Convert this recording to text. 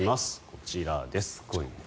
こちらです。